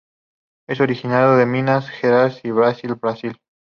Es originaria de Minas Gerais y Bahia, Brasil.